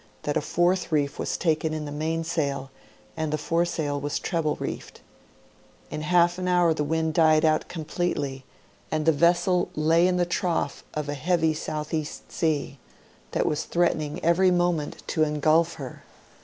that a fourth reef was taken in the mainsail and. the f oresr il was treble reefed. In half an hour the wind died out completely, and the vessel lay 56 National Geograjjhic Magazine. in the trough of a heavy S.E. sea, that was threatening every moment to engulf her.